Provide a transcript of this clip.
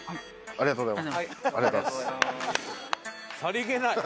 ありがとうございます。